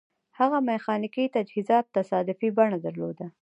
هغه میخانیکي تجهیزات تصادفي بڼه درلوده